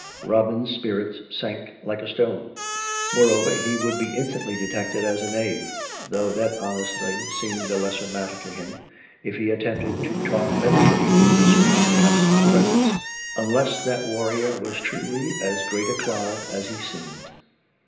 Robin's spirits sank like a stone. ... Moreover, he would be instantly detected as a knave (though that hon estly seemed a lesser matter to him), if he attempted to talk medically in Sir Amyas' presence; unless that warrior was truly as great a clod as he seemed.